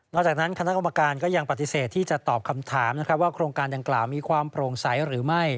จากนั้นคณะกรรมการก็ยังปฏิเสธที่จะตอบคำถามนะครับว่าโครงการดังกล่าวมีความโปร่งใสหรือไม่